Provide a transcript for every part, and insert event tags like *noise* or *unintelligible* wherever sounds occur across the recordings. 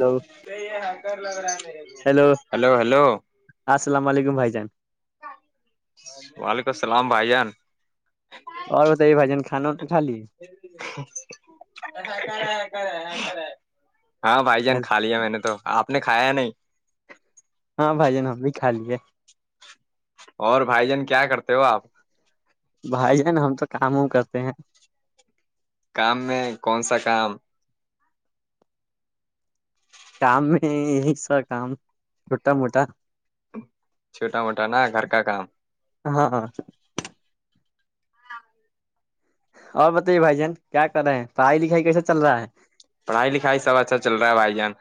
hello hello hello hello السلام علیکم بھائی جان وعلیکم السلام بھائی جان اور بتائیے بھائیان کھاناا خالی سا کر کر کرا ہے ہاں بھائی جان کھا لیا میں نے تو آپ نے کھایا نہیں ہاں بھائی جن ہم بھی کھا لیے اور بھائی جان کیا کرتے ہو آپ بھائی جان ہم تو کاموں کرتے ہیں کام میں کون سا کام کام میں یہ سا کام چھوٹا موٹا چھوٹا موٹا نا گھر کا کام ہاں ہاں اور بتائیے بھائی جن کیا کر رہے ہیں پڑھائی لکھائی کیسے چل رہا ہے پڑھائی لکھائی سب اچھا چل رہا ہے بھائی جان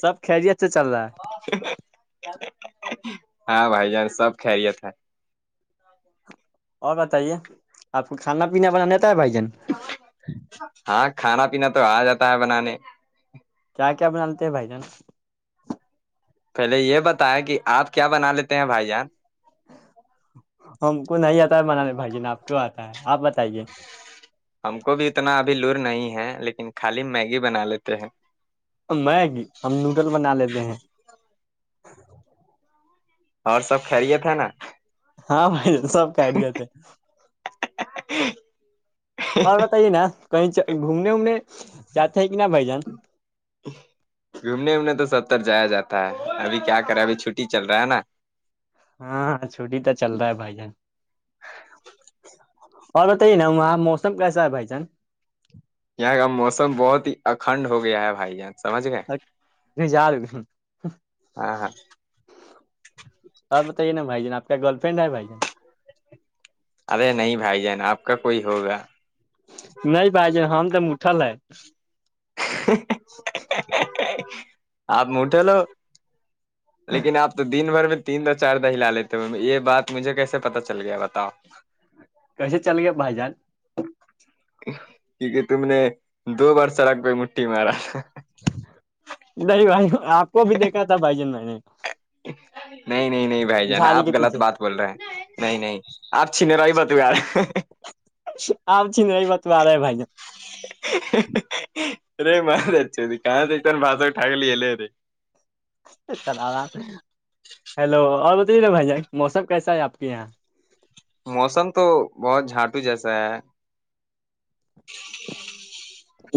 سب خیرییت سے چل رہا ہے ہاں بھائی جان سب خریت ہے اور بتائیے آپ کو کھانا پینا بناناتا ہے بھائی جان ہاں کھانا پینا تو آ جاتا ہے بنانے کیا بنالتے بھ جان پہلے یہ بتایا کہ آپ کیا بنا لیتے ہیں بھائی جان ہم کو نہیں آتا ہے بنانے بھائی جین آپ کیوں آتا ہے آپ بتائیے ہم کو بھی اتنا ابھی لور نہیں ہے لیکن خالی میگی بنا لیتے ہیں میگی ہم نوڈل بنا لیتے ہیں اور سب خریت تھا نا ہاں بھ سب کہ لے تھے *unintelligible* اور بتائیے نا کہیں گھومنے وومنے جاتے ہیں کہ نا بھ جان *inaudible* گھومنے وومنے تو سب تر جایا جاتا ہے ابھی کیا کر رہا ہے ابھی چھٹی چل رہا ہے نا ہاں ہاں چھٹی تو چل رہا ہے بھائی جان اور توی ہے ن وہاں موسم کیسا ہے بھائی جان یہاں کا موسم بہت ہی اکھنڈ ہو گیا ہے بھائی جان سمجھ گئے جا رہے ہو ہاں ہاں بات بتے نا بائی جن آپ گرفرینڈ ہے بھائی جان ارے نہیں بھائی جان آپ کا کوئی ہوگا نہیں بھائی ج ہم تو اٹھل ہے آپ موٹے لو لیکن آپ تو دن بھر میں تین دو چار دہ ہلا لیتے ہو یہ بات مجھے کیسے پتا چل گیا بتاؤ کیسے چل گیا بھائی جان کیونکہ تم نے دو برس رگ کوئی مٹھی مارا نہیں بھائی آپ کو بھی دیکھا تھا بھائی جن میں نے نہیں نہیں نہیں بھائی جان جھاڑی آپ کے غلط پیچھے بات بول رہے ہیں نہیں نہیں آپ چھینے رہوی بات یار آپ چیز نہیں بتوا رہے ہیں بھائی جان اے مارے چتی کہاں سےان باسک ٹاکلی ہےل رے ل آام ہیلو اور بتےا بھائی جان موسم کیسا ہے آپ کے یہاں موسم تو بہت جھانٹو جیسا ہے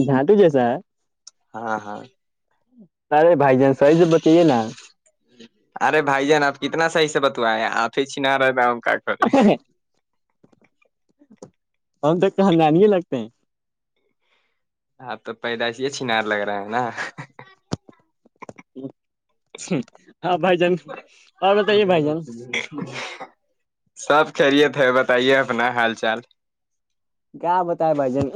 جھانٹو جیسا ہے ہاں ہاں ارے بھائی جان سح سے بتائیے نا ارے بھائی جان آپ کتنا صحیح سے بتوائے ہیں آپ ہی چھنا رہے دؤ کا کرے ہم تو کہن نہیں لگتے ہیں *unintelligible* آپ تو پیدائش یہ چنار لگ رہا ہے نا ہاں بھائی جان اور بتائیے بھائی جان سب خریتت ہے بتائیے اپنا حال چال کیا بتا ہے بھائی جن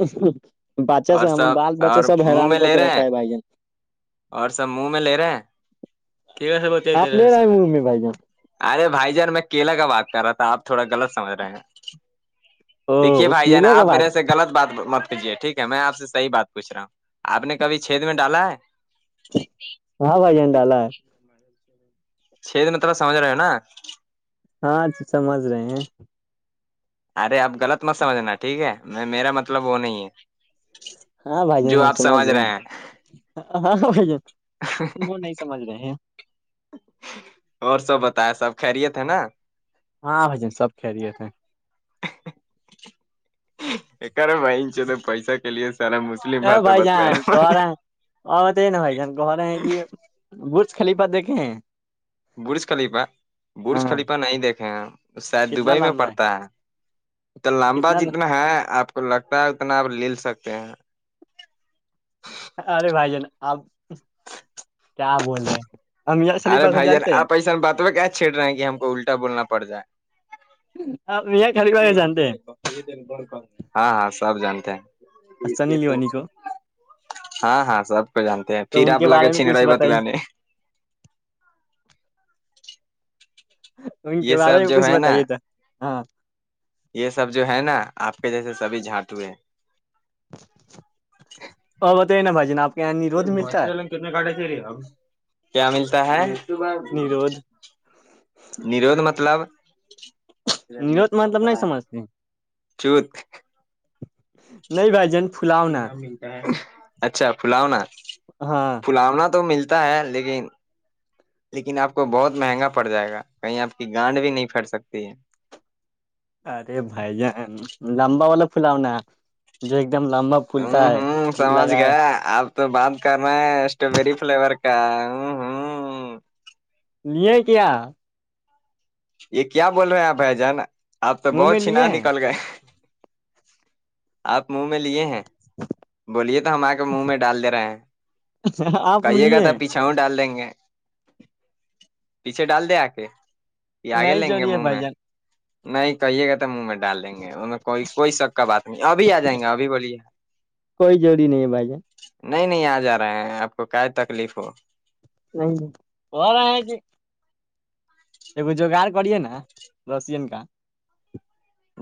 بچا اور سب ہم بال بچہ اور سب منہ حیران میں کر لے کے رہے رکھا ہیں ہے بھائی جن اور سب منہ میں لے رہے کی ویس ب آپ رہے لے ہیں سارا منہ میں بھائی جان ارے بھائی جار میں کیلا کا بات کر رہا تھا آپ تھوڑا غلط سمجھ رہے ہیں دیکھیے او بھائی جانا کیلے کا آپ بات میرے سے لط بات مت کیجیے ٹھیک ہے میں آپ سے صح بات پوچ رہا ہوں *unintelligible* آپ نے کبھی چھید میں ڈالا ہے ہاں بھائی جن ڈاالا ہے *unintelligible* *inaudible* چھ دنترح سمج رہ ہے نا *unintelligible* ہاں سمجھ رہے ہیں ارے آپ غلط مت سمجھنا ٹھیک ہے میں میرا مطلب وہ نہیں ہے ہاں بھائی ج ہم سمجھ رہے ہیں *unintelligible* ہاں وہ نہیں سمجھ رہے ہیں اور سب بتایا سب خریے تھے نا *unintelligible* ہاں بھائیان سب کہ رہیے تھے *unintelligible* ایکار بائی *unintelligible* تو پیسہ کے لیے سارا مسلم بھشا بتو نا *unintelligible* اوراں تو ہے نا بھ جان کہ رہے ہیں کہ برج خلیپا دیکھے ہیں برج خلیفہ برج ہاں خلیفہ نہیں دیکھے ہیں شاید کتنا دبئی میں لمبا پڑتا ہے تو لمبا کتنا جتنا ہے آپ کو لگتا ہے اتنا آپ لے سکتے ہیں ارے بھائی جان آپ کیا بول رہے ہیں ہم یار خلیفہ کو ارےھائی جار جانتے آ ہیں پیسہ باتو کیا *unintelligible* چ رہے کہ ہم کو الٹا بولنا پڑ جائے آپ میاں خلیفہ کو جانتے ہیں ہاں ہاں سب جانتے ہیں ا س نلیوانی کو *unintelligible* ہاں ہاں سب کو جانتے ہیں تو پھر ان آپ کے لگے بارے میں کچھ چھنرائی بت بتائیے گانی *unintelligible* ہ *unintelligible* ان کے بارے میں کچھ بتائیے تھا ہاں یہ سب جو ہے نا آپ کے جیسے سبھی جھانٹ ہوئے ا بت ہے نا بھ جن آپ *unintelligible* یہ ملتا ہے مچھرگ کتنے کاٹا چاہیے اب کیا ملتا ہے *unintelligible* ب نیرودھ نرود مطلب *unintelligible* چل نیرودھ مطلب نہیں سمجھتے چ *unintelligible* نہیں بھائی جن *unintelligible* ملتا ہے اچھا پلاونا ہاں پلاونا تو ملتا ہے لیکن *unintelligible* لیکن آپ کو بہت مہنگا پڑ جائے گا کہیں آپ کی گانڈ بھی نہیں پھیٹ سکتی ہے ارے بھائی جان لمبا والا فھلاؤناا جو ایک دم لمبا ہوں پھولتا ہے ہوں سماج لگائے کا آپ تو بات کرنا ہے اسٹروابری فلیور کا ہوں ہوں نہیں کیایا *unintelligible* یہ کیا بول رہے ہیں آپ بھائی جان آپ تو منہ میں بہت چنا لیے ہیں نکل گئے آپ منہ میں لیے ہیں بولیے تو ہم آ کے منہ میں ڈال دے رہے ہیں آپ کہیے گا لیے تھا ہیں پچھ ا چھاؤ ڈال دیں گے پیچھے ڈال دے آ کے آگ نہیں ال ہے جوڑی موم بھائی میں جان نہیں کہیے گا تو منہ میں ڈال دیں گے ان میں کوئی کوئی شک کا بات نہیں ابھی آ جائیں گے ابھی بولیے کوئی جڑی نہیں ہے بھائی جن نہیں نہیں آ جا رہے ہیں آپ کو کیا تکلیف ہو نہیں ہو رہے ہیں کہ ایگ جوگار کریے نا رسین کا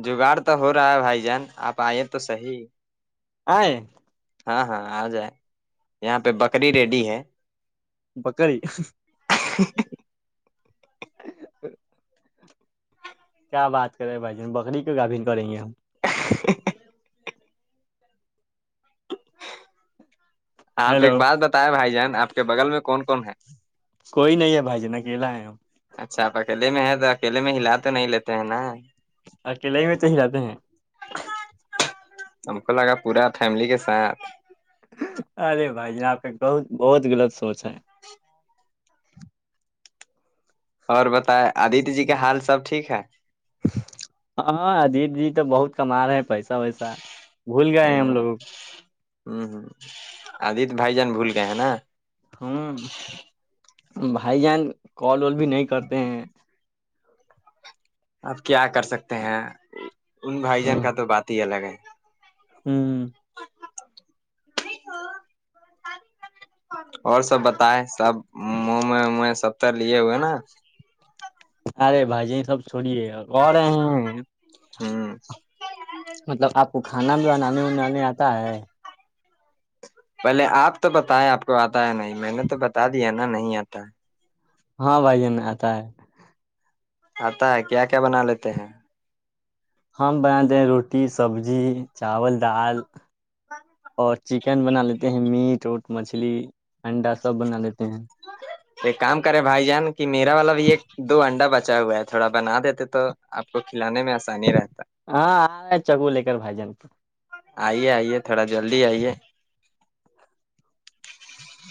جگاڑ تو ہو رہا ہے بھائی جان آپ آئی تو صحیح آ *unintelligible* ہاں ہاں آ جائے یہاں پہ ب ی ریڈی ہے بکری *unintelligible* کیا بات کرے بھائی جان بکری کی کا بھین کریں گے ہم *unintelligible* آپ ہیلو ایک بات بتائے بھائی جان آپ کے بغل میں کون کون ہے کوئی نہیں ہے بھائی ج ن اکیلا ہے ہم اچھا آپ اکیلے میں ہے تو اکیے میں ہلا تو نہیں لیتے ہیں نا اکیلے ہی میں تو ہی رہاتتے ہیں ہم کو لگا پورا فیملی کے ساتھ ارے بھائی ج آپ کا بہت بہت غلط سوچ ہے اور بتائے آدت جی کا حال سب ٹھیک ہے ہاں اجیت جی تو بہت کما رہے ہیں پیسہ ویسا بھول گئے ہیں ہم لوگ آدت بھائی جان بھول کےئے ہیں نا ہاں بھائی جان کال وال بھی نہیں کرتے ہیں آپ کیا کر سکتے ہیں ان بھائی جان کا تو بات ہی الگ ہے ہوں *inaudible* اور سب بتائے سب موم سب تو لیے ہوئے نا ارے بھائی سب چوڑیے اور رہے ہیں ہوں مطلب آپ کو کھانا بھی بنانے انانے آتا ہے پہلے آپ تو بتائے آپ کو آتا ہے نہیں میں نے تو بتا دیا نا نہیں آتا ہے ہاں بھائی جن آتا ہے آتا ہے کیا کیا بنا لیتے ہیں ہم بناتے ہیں روٹی سبزی چاول دال ک پ *unintelligible* اور چکن بنا لیتے ہیں میٹ اٹ مچھلی انڈا سب بنا لیتے ہیں ایک کام کرے بھائی جان کہ میرا والا بھی ایک دو انڈا بچا ہوا ہے تھوڑا بنا دیتے تو آپ کو کھلانے میں آسانی رہتا ہاں آ رہ ہے چکو لے کر بھائی جان کو آئیے آئیے تھوڑا جلدی آئیے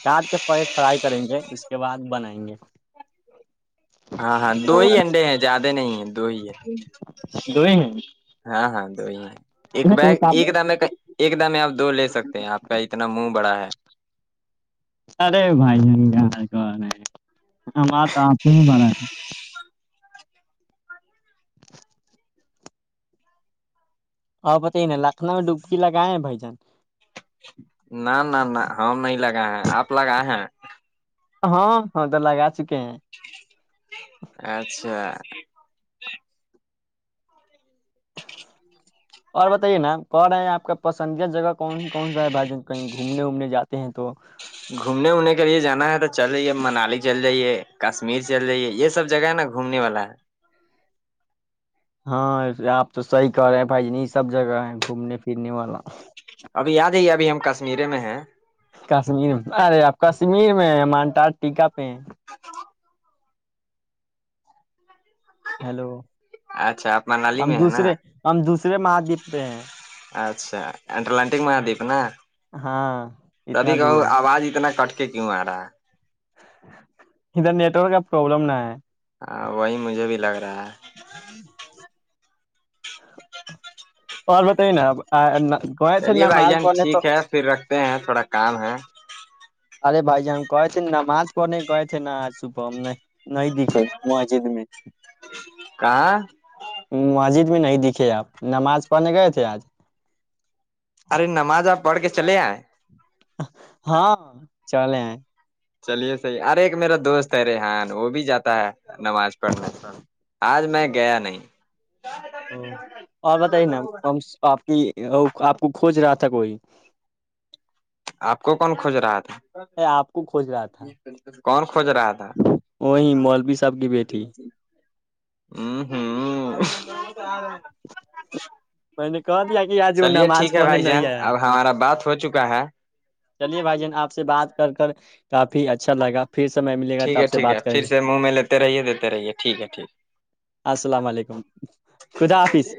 کاٹ کے پ فرائی کریں گے اس کے بعد بنائیں گے ہاں ہاں دو ہی انڈے ہیں زیادہ نہیں ہیں دو ہی ہے دو ہی ہیں ہاں ہاں دو ہی ہے ایک بیگ ایک د ایک دم میں آپ دو لے سکتے ہیں آپ کا اتنا منہ بڑا ہے ارے بھ جن گاں کر ہے ہم آتا آپ سے نہیں ب رہ آیا تھا ہاں پت ہی نا لکھنؤ میں ڈبکی لگا ہیں بھائی جان نہ نہ نہ ہم نہیں لگائے ہیں آپ لگائے ہیں ہاں ہاں تو لگا چکے ہیں اچھا اور بتائیے نا کون آیا آپ کے پسندید کے جگہ کون کون سا ہے بھجن کہیں گھومنے وومنے جاتے ہیں تو گھومنے وومنے کے لیے جانا ہے تو چل جے منالی چل جائیے کشمیر چل جائیے یہ سب جگہ ہے نا گھومنے والا ہے ہاں آپ تو صحیح کہہ رہے ہیں بھائی جنی یہ سب جگہ ہیں گھومنے پھرنے والا ابھی یاد ہے ابھی ہم کشمییرے میں ہیں کشمیر میں ارے آپ کشمیر میں مانٹار ٹیکا پہ ہیں تو ہیلو اچھا آپ منالی ہم میں ہے نا دوسرے ہم دوسرے مہاددیپ پہ ہیں اچھا اٹلانٹک مہادیپ نا ہاں تبھی اتنا کہو دور ہے آواز اتنا کٹ کیوں آ رہا ادھر نیٹ ورک کا پروابلم ن ہے ہاں وہی مجھے بھی لگ رہا ہے اور بتائی نا گئے تھ نا مال کونے تو تے ہیں تھوڑا کام ہے ارے بھائی جان ہم ایکچوولی نماز کو نہیں گئے تھے نا آج صبح ہم نہیں دکھی مسجد میں کہاں مسجد میں نہیں دکھے آپ نماز پڑھنے گئے تھے آج ارے نماز آپ پڑھ کے چلے آئیں ہاں چلیں ہیں چلیے صحیح ارے ایک میرا دوست ہے ریحان وہ بھی جاتا ہے نماز کرنے آج میں گیا نہیں او اور بتائیے نا آپ کی آپ کو کھوج رہا تھا کوئی آپ کو کون کھوج رہا تھا میں آپ کو کھوج رہا تھا کون کھوج رہا تھا وہی مولوی صاحب کی بیٹی ہوں ہوں میں نے کہا دیا کہ آج وہ چلیے نماز ٹھیک ہے پنے بھائی جان نہیں آیا ہے اب ہمارا بات ہو چکا ہے چلیے بھائی جان آپ سے بات کر کر کافی اچھا لگا پھر سمے ملے گ ٹھیک ہے ٹھیک ہے پھر سے منہ میں لیتے رہیے دیتے رہیے ٹھیک ہے ٹھیک ہے السلام علیکم خدا حافظ